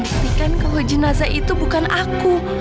itu pasti bisa membuktikan kalau jenazah itu bukan aku